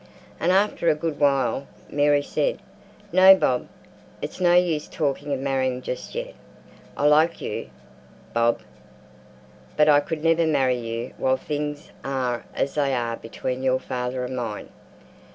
And after a good while Mary said "No, Bob, it's no use talking of marrying just yet. I like you, Bob, but I could never marry you while things are as they are between your father and mine.